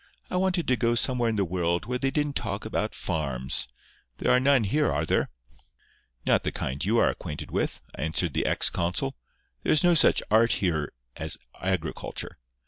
"I wanted to go somewhere in the world where they didn't talk about farms. There are none here, are there?" "Not the kind you are acquainted with," answered the ex consul. "There is no such art here as agriculture.